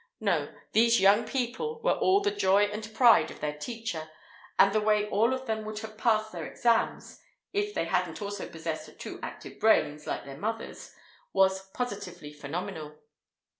No, these young people were all the joy and pride of their teacher, and the way all of them would have passed their exams, (if they hadn't also possessed too active brains, like their mothers), was positively phenomenal.